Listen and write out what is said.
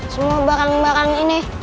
semua barang barang ini